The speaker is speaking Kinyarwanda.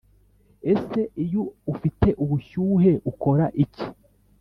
Ese iyo ufite ubushyuhe ukora iki?